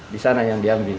di sana yang diambil